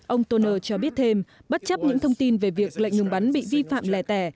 ông toner cho biết thêm bất chấp những thông tin về việc lệnh ngừng bắn bị vi phạm lẻ tẻ